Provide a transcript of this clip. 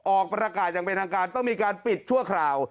ออกประกาศอย่างเป็นทางการต้องมีการปิดชั่วคราว